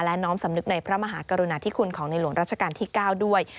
และน้อมสำนึกในพระมหากรุณาธิคุณของในหลวงราชการที่๙ด้วย